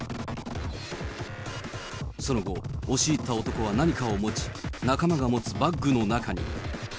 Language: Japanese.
その後、押し入った男は何かを持ち、仲間が持つバッグの中に。